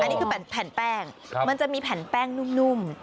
อันนี้คือแผ่นแป้งมันจะมีแผ่นแป้งนุ่ม